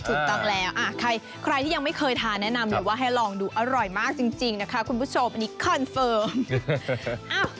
ถูกต้องแล้วใครที่ยังไม่เคยทานแนะนำหรือว่าให้ลองดูอร่อยมากจริงนะคะคุณผู้ชมอันนี้คอนเฟิร์ม